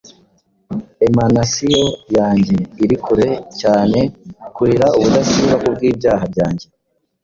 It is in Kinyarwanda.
Emanasiyo yanjye iri kure cyane kurira ubudasiba kubwibyaha byanjye.